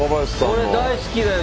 俺大好きだよ